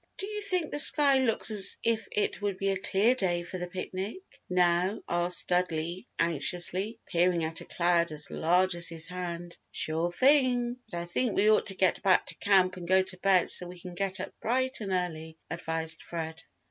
"Do you think the sky looks as if it would be a clear day for the picnic?" now asked Dudley, anxiously, peering at a cloud as large as his hand. "Sure thing! But I think we ought to get back to camp and go to bed so we can get up bright and early," advised Fred.